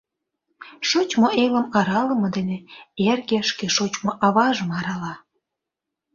Шочмо элым аралыме дене эрге шке шочмо аважым арала.